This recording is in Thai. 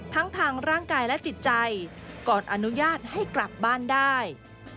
ทั้งทางร่างกายและจิตใจก่อนอนุญาตให้กลับบ้านได้